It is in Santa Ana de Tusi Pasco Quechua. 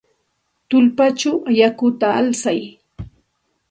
Tullpachaw yakuta alsay.